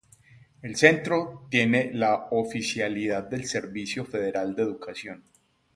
El centro tiene la oficialidad del Servicio Federal de Educación.